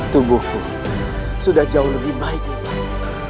tubuhku sudah jauh lebih baik nih mas